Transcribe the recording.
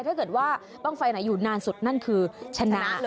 ถ้าเกิดว่าบ้างไฟไหนอยู่นานสุดนั่นคือชนะเลย